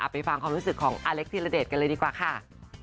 ไปฟังความรู้สึกของอาเล็กธิระเดชกันเลยดีกว่าค่ะ